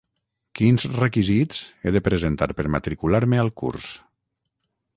Quins requisits he de presentar per matricular-me al curs?